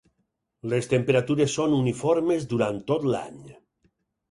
Les temperatures són uniformes durant tot l'any.